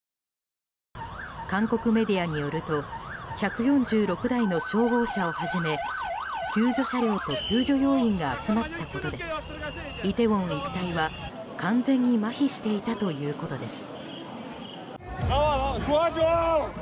韓国メディアによると１４６台の消防車をはじめ救助車両と救助要員が集まったことでイテウォン一帯は完全にまひしていたということです。